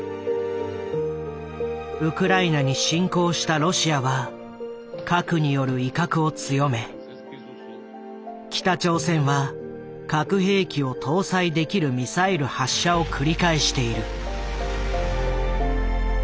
ウクライナに侵攻したロシアは核による威嚇を強め北朝鮮は核兵器を搭載できるミサイル発射を繰り返している。